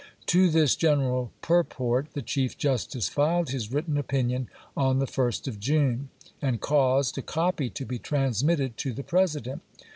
To this general purport the Chief Justice filed his written opinion on the 1st of June, and caused a copy to be transmitted to the President, pp.